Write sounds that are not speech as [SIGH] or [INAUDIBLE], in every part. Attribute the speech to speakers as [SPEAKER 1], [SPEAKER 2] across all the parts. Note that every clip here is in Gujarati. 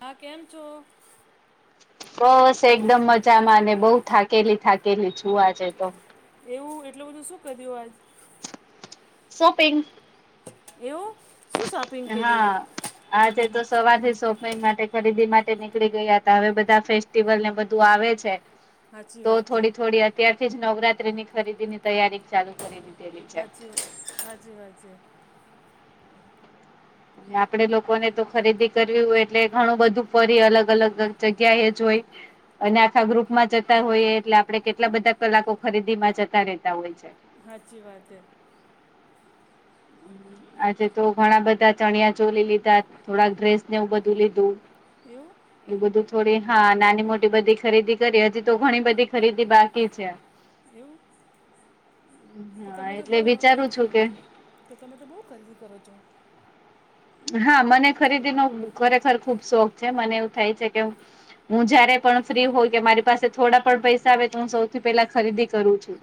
[SPEAKER 1] હા કેમ છો.
[SPEAKER 2] બસ એકદમ મજામાં ને બઉ થાકેલી થાકેલી છુ આજે તો.
[SPEAKER 1] એવું એટલું બધું શું કર્યું આજ.
[SPEAKER 2] સોપિંગ.
[SPEAKER 1] એવું.
[SPEAKER 2] હા. આજે તો સવારથી શોપિંગ માટે ખરીદી માટે નીકળી ગયા હતા હવે બધા ફે ટેબલને બધું આવે છે. તો થોડી થોડી અત્યારથી જ નવરાત્રીની ખરીદી ની તૈયારી ચાલુ કરી દીધેલી છે.
[SPEAKER 1] હાચી વાત. [UNINTELLIGIBLE]
[SPEAKER 2] ને આપડે લોકોને તો ખરીદી કરવી હોય એટલે ઘણું બધું ફરી અલગ અલગ જગ્યા એ જોઈ અને આખા ગ્રુપ માં જતા હોઈએ એટલે આપડે કેટલા બધા કલાકો ખરીદી માં જતા રહેેતા હોય છે.
[SPEAKER 1] હાચી વાત હે.
[SPEAKER 2] આજે તો ઘણા બધા ચણિયા ચોલી લીધા થોડાક ડ્રેસ ને એવું બધું લીધું.
[SPEAKER 1] એવું.
[SPEAKER 2] એ બધું થોડી હા નાની મોટી બધી ખરીદી કરી હજી તો ઘણી બધી ખરીદી બાકી છે.
[SPEAKER 1] એઉ. તો તમે તો બહુ તો તમે તો બહુ ખરીદી કરો છો.
[SPEAKER 2] હા મને ખરીદી નો ખરેખર ખુબ શોખ છે મને એવું થાય છે કે હું જયારે પણ ફ્રી હોઉ કે મારી પાસે થોડા પણ પૈસા આવે તો હું સૌથી પેલા ખરીદી કરું છું.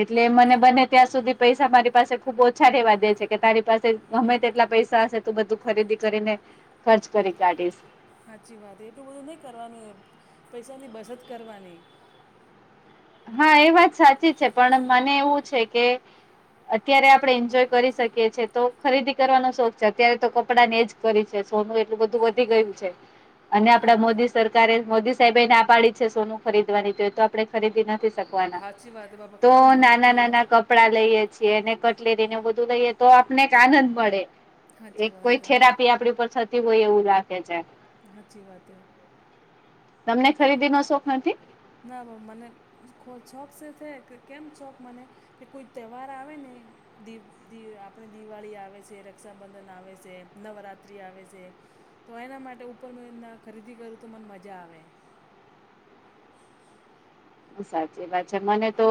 [SPEAKER 2] એટલે મને બને ત્યાં સુધી પૈસા મારી પાસે ખુબ ઓછા રહેેવા દે છે કે તારી પાસે ગમે તેટલા પૈસા હશે તો બધું ખરીદી કરીને ખર્ચ કરી કાઢીશ.
[SPEAKER 1] સાચી વાત એટલું બધું નહીં કરવાનું એમ પૈસાની બચત કરવાની.
[SPEAKER 2] હા એ વાત સાચી છે, પણ મને એવું છે કે અત્યારે આપડે એન્જોય કરી શકીએ છે તો ખરીદી કરવાનો શોખ છે અત્યારે તો કપડાં નેજ કરી છે સોનું એટલું બધું વધી ગયું છે. અને આપડા મોદી સરકારે મોદી સાહેબે ના પાડી છે સોનું ખરીદવાની તો એ તો આપડે ખરીદી નથી શક વાના તો નાના નાના ક પડા લઈએ છીએને કટલેરી ને બધું લઈએ તો આપને આનંદ મળે. એક કોઈ થેરાપી આપડી ઉપર થતી હોય એવું લાગે છે.
[SPEAKER 1] હાચી વાત એ.
[SPEAKER 2] તમને ખરીદી નો શોખ નથી.
[SPEAKER 1] ના મને છોકસ છે કે કેમ શોક મને કે કોઈ તહેવાર આવે ને દીપ દી આપણે દિવાળી આવે છે, રક્ષાબંધન આવે છે, નવરાત્રિ આવે છે. તો એના માટે ઉપર [UNINTELLIGIBLE] ખરીદી કરું તો મને મજા આવે.
[SPEAKER 2] સાચી વાત છે મને તો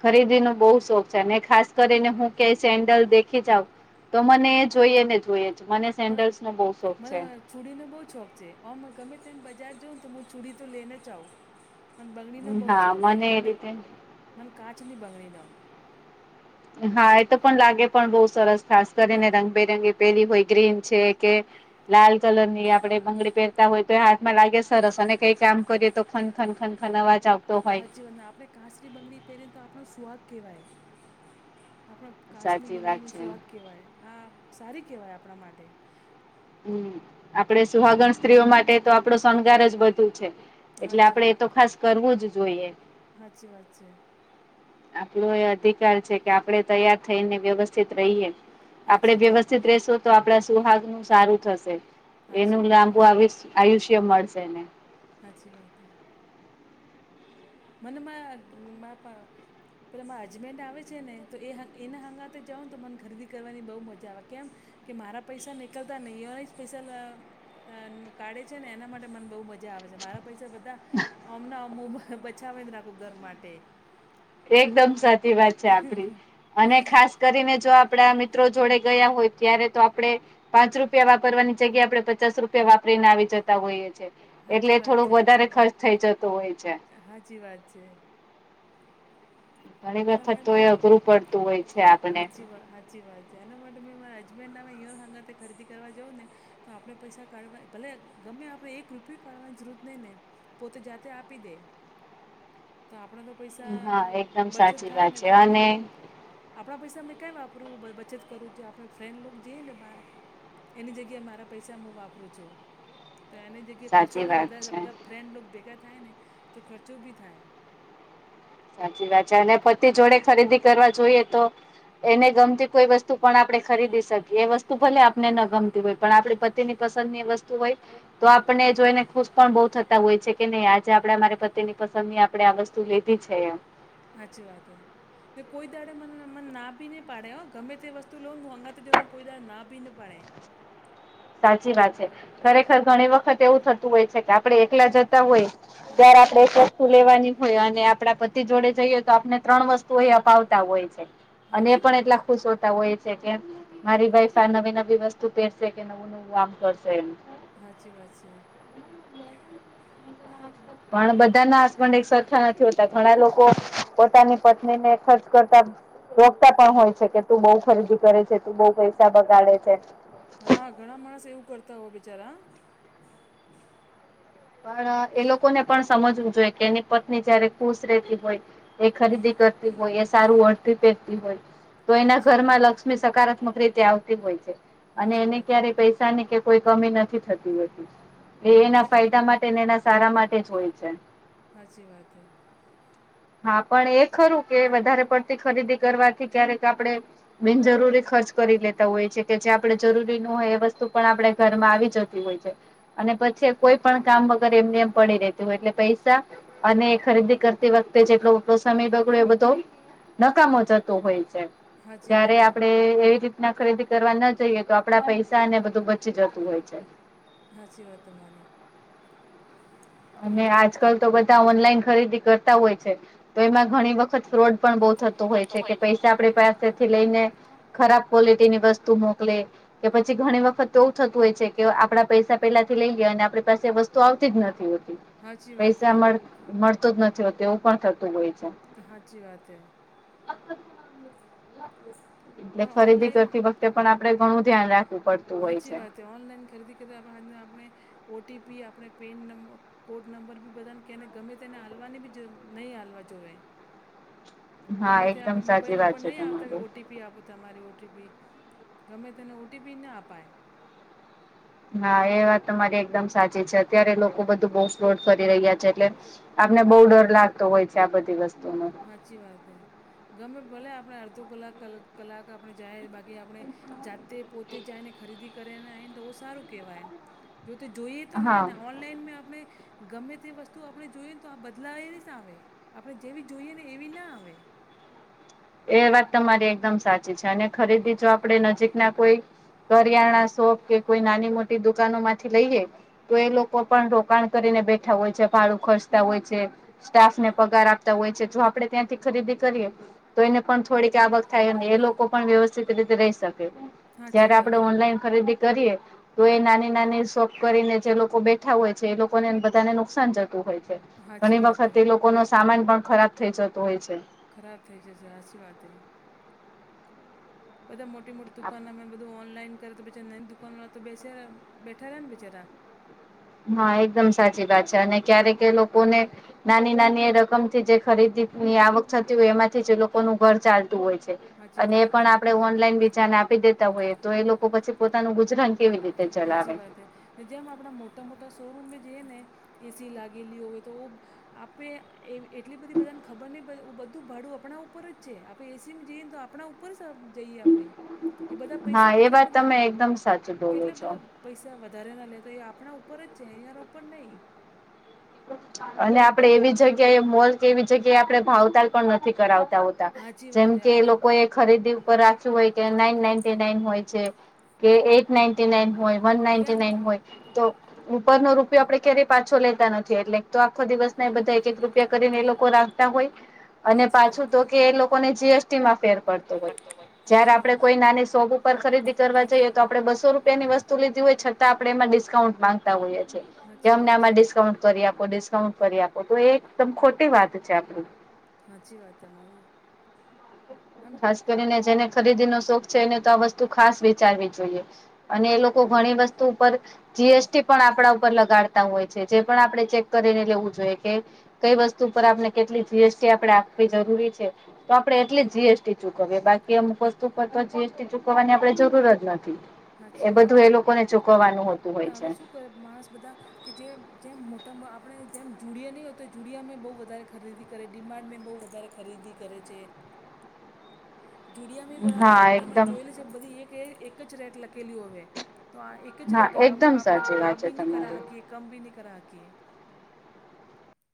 [SPEAKER 2] ખરીદી નો બહુ શોખ છે અને ખાસ કરીને હું કે સેન્ડલ દેખી જાઉ. તો મને એ જોઈએ ને જોઈએ જ મને સેન્ડલ્સ નો બહુ શોખ છે.
[SPEAKER 1] છૂડીનો બહુ શોખ છે ઓમ ગમે તેમ બજાર જઉં તો હું ચુડી તો લઈને જ આઉ. મને બંગણીનો બહુ શોખ હે મને મને કાચની બંગણીનો
[SPEAKER 2] હા એ તો પણ લાગે પણ બઉ સરસ ખાસ કરીને રંગબેરંગી પેરવી હોય ગ્રીન છે કે લાલ કલર ની આપડે બંગડી પહેરતા હોય તો એ હાથ માં લાગે સરસ અને કઈ કામ કરીએ તો ખન ખન ખનખન અવાજ આવતો હોય.
[SPEAKER 1] હાચી વન આપડે કાસરિ બંગડી પહેરી તો આપણો સુહાગ કહેવાય. આપણ કાસની બંગડીનો સુહાગ કહેવાય આ સારી કેહેવાય આપણા માટે.
[SPEAKER 2] હમ્મ આપડે સુહાગણ સ્ત્રીઓ માટે તો આપડો શણગાર જ બધુ છે. એટલે આપડે એ તો ખાસ કરવું જ જોઈએ.
[SPEAKER 1] હાચી વાત છે.
[SPEAKER 2] આપલો એ અધિકાર છે કે આપડે તૈયાર થઈને વ્યવસ્થિત રહીએ. આપડે વ્યવસ્થિત રેશો તો આપણા સુહાગ નું સારું થશે. એનું લાંબુ આવુસ આયુષ્ય મળશે એને.
[SPEAKER 1] હાચી વાત હે. મનેમાં મા પા પેલા મારા અજમેન્ટ આવે છે ને, તો એ એના હંગાતે જાઉ ને તો મને ખરીદી કરવાની બહુ મજા આવે. કેમ? કે, મારા પૈસા નીકળતા નહીં હોય જ, પૈસા અ કાઢે છે ને, એના માટે મને બહુ મજા આવે છે, મારા પૈસા બધા અમુંક બચાવેલ રાખવા માટે.
[SPEAKER 2] એકદમ સાચી વાત છે આપડી, અને ખાસ કરીને જો આપડા મિત્રો જોડે ગયા હોય ત્યારે, તો આપડે પાંચ રૂપિયા વાપરવાની જગ્યા, આપડે પચાસ રૂપિયા વાપરીને આવી જતા હોઈએ છીએ. એટલે થોડોક વધારે ખર્ચ થઇ જતો હોય છે.
[SPEAKER 1] હાચી વાત છે. એના માટે. સાાચી વાત, સાાચી વાત. જેના માટે મેં મારા હજબેન્ડને, માં યુર હંગાથે ખરીદી કરવા જઉં ને તો આપણે પૈસા કાઢવા ભલે ગમે, આપણે એક રૂપિયો કાઢવાની જરૂરત નહીં ને. પોતે જાતે આપી દે, તો આપણે તો પૈસા બચત થાય ને, તો આપણે બધા આપણા પૈસા, મેમ, ક્યાય વાપરવું, બચત કરવું. જો આપણે ફ્રેન્ડ લોકો જઈએ ને બહાર એની જગ્યાએ મારા પૈસા હું વાપરું છું, તો એની જગ્યાએ ખર્ચો બી બધા ફ્રેન્ડ લો ભેગા થાય ને, તો ખર્ચો બી થાય.
[SPEAKER 2] સાચી વાત છે, અને પતિ જોડે ખરીદી કરવા જોઈએ, તો એને ગમતી કોઈ વસ્તુ પણ આપણે ખરીદી શકીએ. એ વસ્તુ ભલે આપને ન ગમતી હોય, પણ આપણી પતિ ની પસંદ ની વસ્તુ હોય. તો આપણે જોઈને ખુશ પણ બહુ થતા હોય છે કે નહીં? આજે આપડે, મારા પતિની પસંદ ની, આપણે આ વસ્તુ લે છે એમ.
[SPEAKER 1] હાચી વાત. એ કોઈ દાડે મને ના ભી ની પાડે, ગમે તે વસ્તુ લો કોઈ દાડે ના ભી ની પડે.
[SPEAKER 2] સાચી વાત છે, ખરેખર ઘણી વખત એવું થતું હોય છે કે, આપડે એકલા જતા હોય જ્યારે આપડે એક વસ્તુ લેવાની હોય, અને આપડા પતિ જોડે જઈએ, તો આપણે ત્રણ વસ્તુ અપાવતા હોય છે, અને એ પણ એટલા ખુશ હોતા હોય છે કે મારી વાઈફ આ નવી નવી વસ્તુ પહેરશે, કે નવું નવું આમ કરશે એમ.
[SPEAKER 1] હાચી વાત છે.
[SPEAKER 2] પણ બધા ના હસબન્ડ એક સરખા નથી હોતા, ઘણા લોકો પોતાની પત્ની ને ખર્ચ કરતા રોક્તા પણ હોય છે કે, તું બઉુ ખરીદી કરે છે, તું બહુ પૈસા બગાડે છે.
[SPEAKER 1] હા, ઘણા માણસ એવું કરતા હોય, બિચારા.
[SPEAKER 2] પણ એ લોકોને પણ સમજવું જોઈએ કે, એની પત્ની જયારે ખુશ રહેેતી હોય એ ખરીદી કરતી હોય, સારું વસ્ત્ર પહેરતી હોય. તો એના ઘરમાં લક્ષ્મી સકારાત્મક રીતે આવતી હોય છે, અને એને ક્યારે પૈસા ની કોઈ કમી નથી હોતી, એ એના ફાયદા માટેને એના સારા માટે જ હોય છે.
[SPEAKER 1] હાચી વાત.
[SPEAKER 2] હા, પણ એ ખરું કે, વધારે પડતી ખરીદી કરવાથી ક્યારેક આપડે બિનજરૂરી ખર્ચ કરી લેતા હોય છે. કે, જે આપણે જરૂરી નું હોય, એ વસ્તુ પણ આપણે ઘરમાં આવી જતી હોય છે, અને પછી કોઈ પણ કામ વગર, એમને એમ પડી રહેતું હોય એટલે, પૈસા અને ખરીદી કરતી વખતે જેટલો સમય બગડે, એ બધો નકામો જતો હોય છે, જ્યારે આપણે એવી રીતના ખરીદી કરવા ના જઈએ, તો આપડા પૈસા ને બધું બચી જતું હોય છે.
[SPEAKER 1] સાાચી વાત તમારી.
[SPEAKER 2] અને આજકાલ તો બધા ઓનલાઈન ખરીદી કરતા હોય છે, તો એમાં ઘણી વખત ફ્રોડ પણ બહુ થતું હોય છે કે, પૈસા આપણી પાસેથી લઈને ખરાબ ક્વોલિટી ની વસ્તુ મોકલે. કે પછી ઘણી વખત તો એવું થતું હોય છે કે, આપડા પૈસા પેલાથી લઈ ગયા, અને આપણી પાસે વસ્તુ તો આવતી જ નથી હોતી, પૈસા મળતો જ નથી હોતો, એવું પણ થતું હોય છે.
[SPEAKER 1] હા અચ્છી વાત હ
[SPEAKER 2] અ એટલે ખરીદી કરતી વખતે પણ આપડે ઘણું ધ્યાન રાખવું પડતું હોય છે.
[SPEAKER 1] તે ઓનલાઈન ખરીદી કરી આપ આજના આપણે ઓટીપી આપણે પેન નંબર કોડ નંબર બી બધાને કેને ગમે તેને હાલવાની બી નહીં હાલવા જોએ. ગમે ત્યાં આપણે મોબાઈલ ઉપર નહીં આવતા કે ઓટીપી પી આપો તમારી ઓટીપી ગમે તેને ઓ ટટીપી ના અપાય.
[SPEAKER 2] હા એ વાત મારી એકદમ સાચી છે અત્યારે લોકો બધું બહુફોડ ફરી રહ્યા છે એટલે આપને બહુ ડર લાગતો હોય છે આ બધી વસ્તુમાં
[SPEAKER 1] સાચી વાત ગમે ભલે આપણે અડધો કલાક કલાક આપણે જાય બાકી આપણે જતે પોતે જ ને ખરીદી કર તો ઓ સારું કહેવાય. જો તે જોઈએ તો હે ને ઓનલાઈનમાં આપણે ગમે તે વસ્તુ આપણે જોઈએ તો આ બદલાવી નહી જ આવે આપણે જેવી જોઈએ ને એવી ના આવે
[SPEAKER 2] એ વાત તમારી એકદમ સાચી છે અને ખરીદી જો આપણે નજીક ના કોઈ કરિયાણા શોપ કે કોઈ નાની મોટી દુકાનો માંથી લઈએે તો એ લોકો પણ રોકાણ કરીને બેઠા હોય છે. ભાડું ખર્ચતા હોય છે સ્ટાફ ને પગાર આપતા હોય છે જો આપડે ત્યાંથી ખરીદી કરીએ તો એને પણ થોડીક આવક થાય એ લોકો પણ વ્યવસ્થિત રીતે રહી શકે જયારે આપણે ઓનલાઈન ખરીદી કરીએ તો એ નાની નાની શોપ કરીને જે લોકો બેઠા હોય છે એ લોકોને બધાને નુકસાન જતું હોય છે. ઘણી વખત એ લોકો ન સામાન પણ ખરાબ થઇ જતો હોય છે.
[SPEAKER 1] ખરાબ થઈ જશે સાચી વાત બધા મોટી મોટી દુકાન અમે બધું ઓનલાઈન કરતા તો બેચારા ન દકાનવાળા તો બ બેસે બેઠા રહે ને બેચારા.
[SPEAKER 2] હા એકદમ સાચી વાત છે અને ક્યારેકે લોકોને નાની નાની એ રકમથી જે ખરીદી ની આવક થતી હોય એમાંથી જે લોકોનું ઘર ચાલતું હોય છે. અને એ પણ આપડે ઓનલાઈન વિચાને આપી દેતા હોયએ તો એ લોકો પછી પોતાનું ગુજરાન
[SPEAKER 1] હાચી વાત હૈ ને જેમ આપણા મોટા મોટા શોરૂમ જઈએ ને એસી લાગેલી હોય તો આપે એવી એટલી બધી બધાને ખબર નહીં પેું બધું ભાડું આપણા ઉપર જ છે આપણે એસીમાં જઈએ ને તો આપણા ઉપર જ જઈએ આપણે એ બધા પૈસા કેટલા બધા.
[SPEAKER 2] એકદમ સચ બો
[SPEAKER 1] કેટલા બધા પૈસા વધારે ના લે તો એ આપણા ઉપર જ છે અહીંયાના ઉપર નહીં.
[SPEAKER 2] અને આપડે એવી જગ્યાએ મોલ એવી જગ્યાએ આપણે ભાવતલ પણ નથી કરાવતા હોતા જેમ કે એ લોકો એ ખરીદી રાખ્યું હોય કે નાઈન નાી નાન હોય છે કે એઈટ નાઇન્ટી નાન હોય. વન નાઇન્ટી નાઈન હોય તો ઉપર નો રૂપિયો આપડે ક્યારેય પાછો લેતા નથી. એટલે તો આખો દિવસ ના એ બધા એક એક રૂપિયા કરીને એ લોકો રાખતા હોય. અને પાછું તો કે એ લોકોને જીએસટી માં ફેર પડતો હોય જયારે આપડે કોઈ નાની સોગ પર ખરીદી કરવા જઈએ તો આપણે બસો રૂપિયાની વસ્તુ લીધી હોય છતાં આપણે એમાં ડિસ્કાઉન્ટ માંગી ના હોય છે. કે, અમને આમાં ડિસ્કાઉન્ટ કરી આપો ડિસ્કાઉન્ટ કરી આપો તો એ એકદમ ખોટી વાત છે આપડ
[SPEAKER 1] સાાચી વાત તમારી
[SPEAKER 2] ખાસ કરીને જેને ખરીદીનોો શોખ છે એને તો આ વસ્તુ ખાસ વિચારવી જોઈએ અને એ લોકો ઘણી વસ્તુ ઉપર જીએસટી પણ આપણા ઉપર લગાડતા હોય છે. જે પણ આપણે ચેક કરીને લેવું જોઈએ કે કઈ વસ્તુ પર આપણે કેટલી જીએસટી આપડણે આપવી જરૂરી છે તો આપડણે એટલી જીએસટી ચૂકવ બાકી અમુક વસ્તુ પર તો જીએસટી ચૂકવવાની આપડે જરૂર જ નથી. એ બધું એ લોકોને ચૂકવવાનું હોતું હોય છે.
[SPEAKER 1] માણસ બધા કે જે જેમ મોટામાં આપણે જેમ જુડિયા નહીં હોય તો જુડિયા મે બહુ વધારે ખરીદી કરે ડિમાન્ડ મેં બહુ વધારે ખરીદી કર છે જુડિયા મી તમે જોયેલી છે બધી એક એક જ રેટ લખેલી હોવે તો આ એક જ રેટ અમે આપણે બા બી નહીં કરાવ શકીએ કમ બી નહીં કરાવ શકીએ.